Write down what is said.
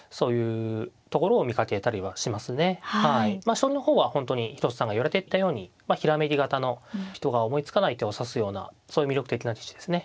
将棋の方は本当に広瀬さんが言われていたようにひらめき型の人が思いつかない手を指すようなそういう魅力的な棋士ですね。